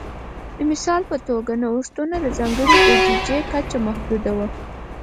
د مثال په توګه نوښتونو ته ځانګړې شوې بودیجې کچه محدوده وه